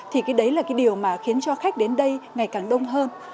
thì cái đấy là cái điều mà khiến cho khách đến đây ngày càng đông hơn